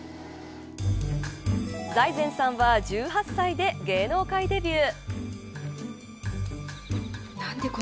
財前さんは１８歳で芸能界デビュー。